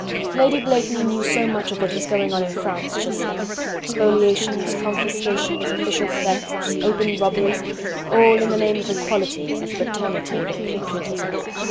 Lady Blakeney knew so much of what was going on in France just now: spoliations, confiscations, official thefts, open robberies, all in the name of equality, of fraternity and of patriotism.